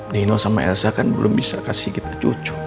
nino sama elsa kan belum bisa kasih kita cucu